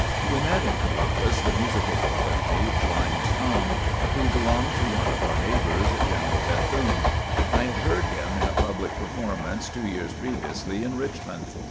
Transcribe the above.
We met in Columbus the musical prodigy, "Blind Tom," who belonged to one of our neighbors, General Bethune. I had heard him in a public performance two years previously in Richmond.